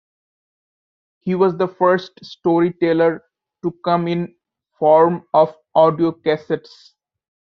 He was the first story-teller to come in form of Audio Cassettes.